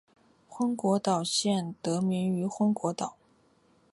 昏果岛县得名于昏果岛。